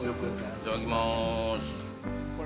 いただきます。